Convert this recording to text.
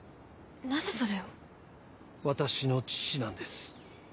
なぜそれを⁉私の父なんです。